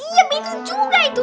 iya bener juga itu